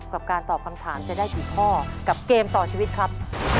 กับการตอบคำถามจะได้กี่ข้อกับเกมต่อชีวิตครับ